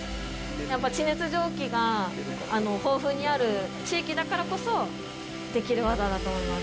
やっぱ地熱蒸気が豊富にある地域だからこそ、できる技だと思います。